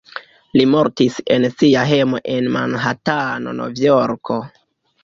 Li mortis en sia hejmo en Manhatano, Novjorko.